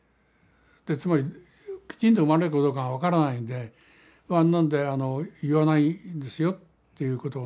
つまりきちんと生まれるかどうかが分からないので不安なんで言わないですよということをね。